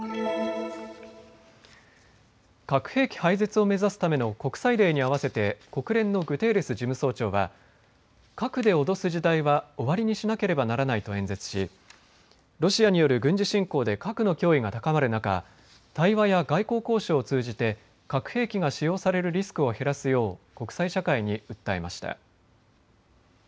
核兵器廃絶を目指すための国際デーに合わせて国連のグテーレス事務総長は核で脅す時代は終わりにしなければならないと演説し、ロシアによる軍事侵攻で核の脅威が高まる中、対話や外交交渉を通じて核兵器が使用されるリスクを減らすよう国際社会に訴えました。